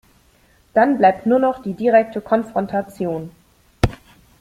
Dann bleibt nur noch die direkte Konfrontation.